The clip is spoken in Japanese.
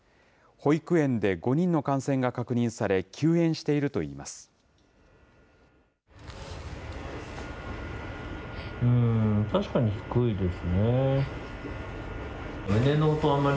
保育園で５人の感染が確認され、休園しているといいます。